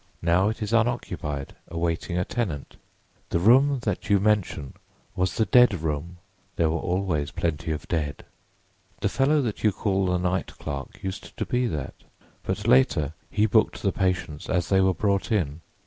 Now it is unoccupied, awaiting a tenant. The room that you mention was the dead room—there were always plenty of dead. The fellow that you call the night clerk used to be that, but later he booked the patients as they were brought in.